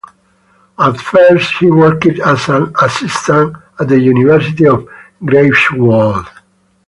At first he worked as an assistant at the University of Greifswald.